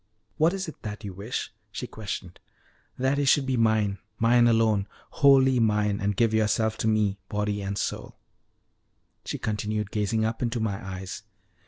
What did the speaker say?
"What is it that you wish?" she questioned. "That you should be mine mine alone, wholly mine and give yourself to me, body and soul." She continued gazing up into my eyes.